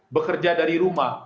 bekerja dari rumah